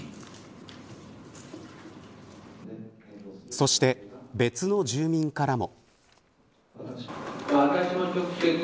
そして、別の住民からも。